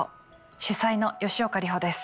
主宰の吉岡里帆です。